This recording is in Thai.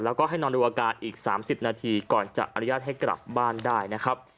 แล้วก็ให้นอนดูอาการอีก๓๐นาทีก่อนจะอนุญาตให้กลับบ้านได้นะครับ